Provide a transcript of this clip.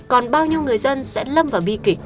còn bao nhiêu người dân sẽ lâm vào bi kịch